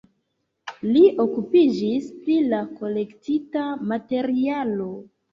Li okupiĝis pri la kolektita materialo.